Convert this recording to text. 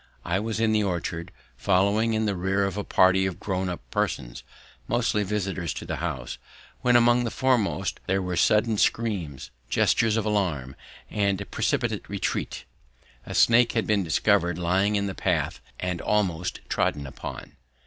I was in the orchard, following in the rear of a party of grown up persons, mostly visitors to the house; when among the foremost there were sudden screams, gestures of alarm, and a precipitate retreat: a snake had been discovered lying in the path and almost trodden upon.